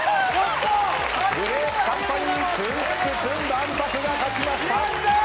グレープカンパニーツンツクツン万博が勝ちました！